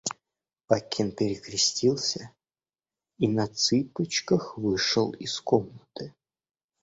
Пакин перекрестился и на цыпочках вышел из комнаты.